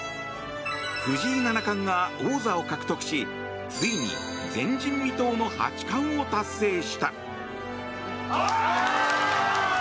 藤井七冠が王座を獲得しついに前人未到の八冠を達成した。